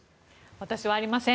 私はありません。